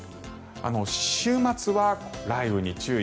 週末は雷雨に注意。